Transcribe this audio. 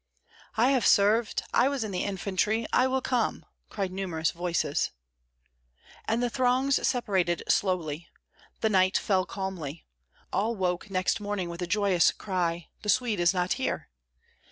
"I have served, I was in the infantry, I will come!" cried numerous voices. And the throngs separated slowly. The night fell calmly. All woke next morning with a joyous cry: "The Swede is not here!"